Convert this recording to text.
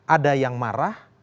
ada yang marah